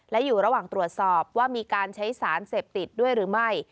และอยู่ระหว่างตรวจสอบว่ามีการใช้สารเสพติดด้วยหรือไม่